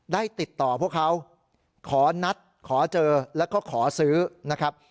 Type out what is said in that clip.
ได้ติดต่อพวกเขาขอนัดขอเจอแล้วก็ขอซื้อนะครับ